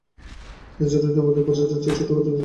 মেজোরানী বললেন, আমাদের বোঝা হচ্ছে ছোটো জিনিসের বোঝা।